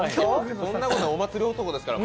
そんなことお祭り男ですから。